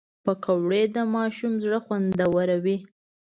پکورې د ماشوم زړه خوندوروي